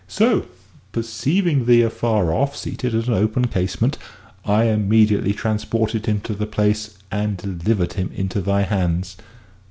So, perceiving thee afar off seated at an open casement, I immediately transported him to the place and delivered him into thy hands."